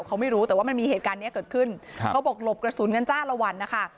เขาไม่รู้แต่ว่ามันมีเหตุการณ์เนี้ยเกิดขึ้นครับเขาบอกหลบกระสุนกันจ้าละวันนะคะ